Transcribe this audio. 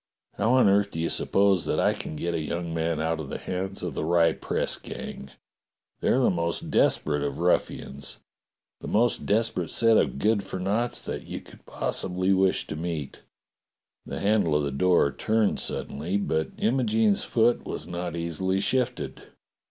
How on earth do you suppose that I can get a young man out of the hands of the Rye press gang? They're the most desperate of ruffians. The most desperate set of good for noughts that you could possibly wish to meet." The handle of the door turned suddenly, but Imo gene's foot was not easily shifted.